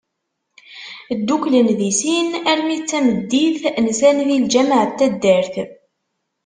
Ddukklen di sin, armi d tameddit, nsan di lğameε n taddart.